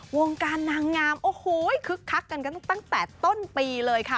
วงการนางงามโอ้โหคึกคักกันกันตั้งแต่ต้นปีเลยค่ะ